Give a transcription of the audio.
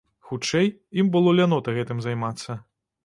Хутчэй, ім было лянота гэтым займацца.